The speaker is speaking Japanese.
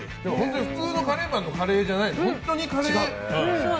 普通のカレーパンのカレーじゃないよね。